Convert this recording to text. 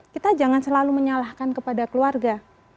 kita jangan selalu menyalahkan kepada keluarga